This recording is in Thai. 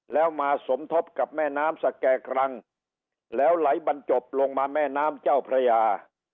แล้วมาสมทบกับแม่น้ำสแก่กรังแล้วไหลบรรจบลงมาแม่น้ำเจ้าพระยา